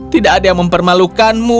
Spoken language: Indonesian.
tidak ada yang mempermalukan mu